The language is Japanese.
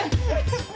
ハハハ。